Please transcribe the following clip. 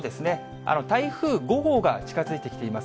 台風５号が近づいてきています。